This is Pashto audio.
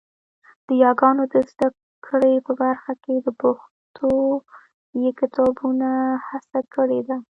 د یاګانو د زده کړې په برخه کې د پښويې کتابونو هڅه کړې ده